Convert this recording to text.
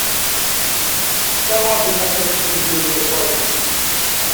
Some of the methods include the following.